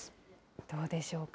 どうでしょうか。